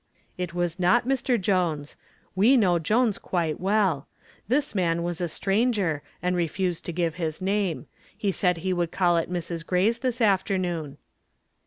"It was not Mr. Jones. We know Jones quite well. This man was a stranger and refused to give his name. He said he would call at Mrs. Gray's this afternoon."